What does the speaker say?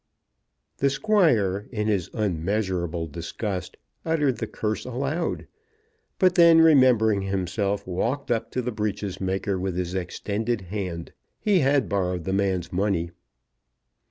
The Squire, in his unmeasurable disgust, uttered the curse aloud; but then, remembering himself, walked up to the breeches maker with his extended hand. He had borrowed the man's money.